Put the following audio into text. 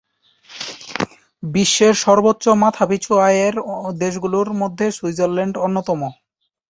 বিশ্বের সর্বোচ্চ মাথা-পিছু আয়ের দেশগুলোর মধ্যে সুইজারল্যান্ড অন্যতম।